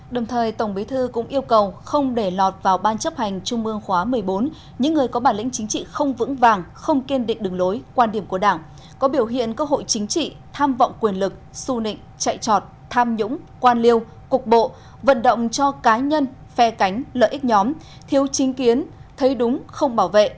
đồng thời tổng bí thư cũng yêu cầu không để lọt vào ban chấp hành trung mương khóa một mươi bốn những người có bản lĩnh chính trị không vững vàng không kiên định đứng lối quan điểm của đảng có biểu hiện cơ hội chính trị tham vọng quyền lực su nịnh chạy trọt tham nhũng quan liêu cục bộ vận động cho cá nhân phe cánh lợi ích nhóm thiếu chính kiến thấy đúng không bảo vệ